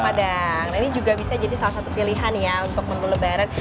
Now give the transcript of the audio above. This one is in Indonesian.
padang ini juga bisa jadi salah satu pilihan ya untuk menu lebaran